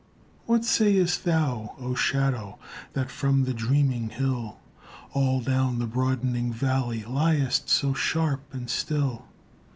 What sayest thou, Oh shadow, That from the dreaming hill All down the broadening valley Liest so sharp and still?